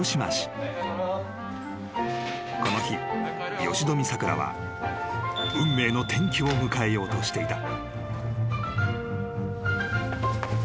［この日吉冨さくらは運命の転機を迎えようとしていた］